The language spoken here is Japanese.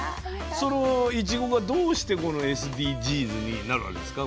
そのいちごがどうしてこのＳＤＧｓになるわけですか？